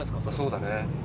そうだね。